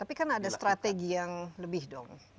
tapi kan ada strategi yang lebih dong